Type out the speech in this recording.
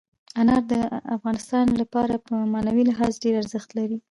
انار د افغانانو لپاره په معنوي لحاظ ډېر زیات ارزښت لري.